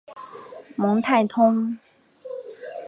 蒙泰通。